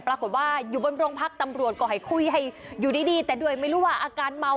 ปรากฏว่าอยู่บนโรงพักตำรวจก็ให้คุยให้อยู่ดีแต่ด้วยไม่รู้ว่าอาการเมา